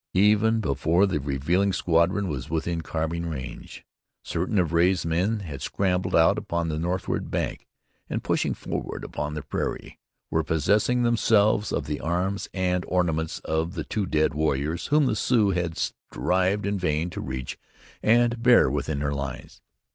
Even before the relieving squadron was within carbine range certain of Ray's men had scrambled out upon the northward bank and, pushing forward upon the prairie, were possessing themselves of the arms and ornaments of the two dead warriors whom the Sioux had strived in vain to reach and bear within their lines.